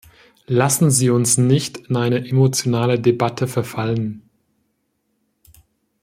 Lassen Sie uns nicht in eine emotionale Debatte verfallen!